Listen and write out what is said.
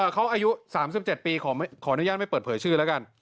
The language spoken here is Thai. เขาอายุ๓๗ปีขออนุญาตไม่เปิดเผยชื่อแล้วกัน